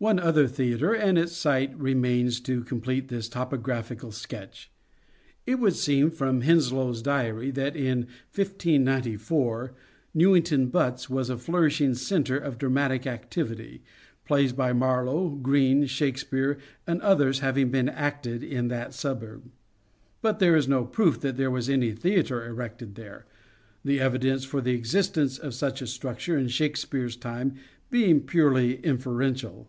One other theatre and its site remain to complete this topographical sketch. It would seem, from Henslowe's diary, that in 1594 Newington Butts was a flourishing centre of dramatic activity, plays by Marlowe, Greene, Shakespeare and others having been acted in SHAKESPEAREAN THEATRES 9 that suburb ; but there is no proof that there was any theatre erected there, the evidence for the existence of such a structure in Shakespeare's time being purely inferential.